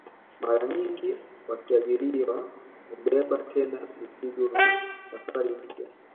Mara nyingi wakiajiriwa hubeba tena mizigo ya safari mpya